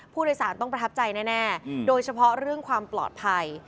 ผู้โดยสารต้องประทับใจแน่โดยเฉพาะเรื่องความปลอดภัย